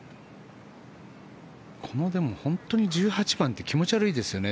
この１８番って気持ち悪いですよね。